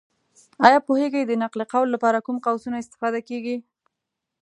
ایا پوهېږې! د نقل قول لپاره کوم قوسونه استفاده کېږي؟